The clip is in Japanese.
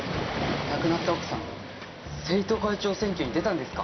亡くなった奥さん生徒会長選挙に出たんですか？